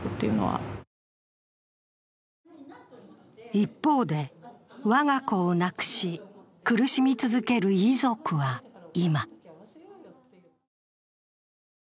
一方で、我が子を亡くし苦しみ続ける遺族は今。